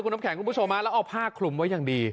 น้ำแข็งคุณผู้ชมแล้วเอาผ้าคลุมไว้อย่างดี